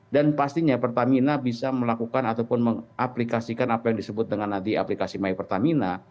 dan pastinya pertamina bisa melakukan ataupun mengaplikasikan apa yang disebut dengan nanti aplikasi my pertamina